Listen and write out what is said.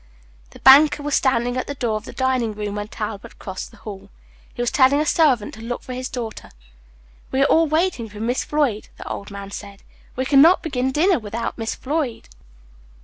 The banker was standing at the door of the dining room when Talbot crossed the hall. He was telling a servant to look for his daughter. "We are all waiting for Miss Floyd," the old man said; "we can not begin dinner without Miss Floyd."